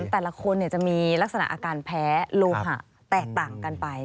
แต่ละคนจะมีลักษณะอาการแพ้โลหะแตกต่างกันไป